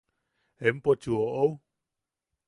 ¿Empochu oʼou?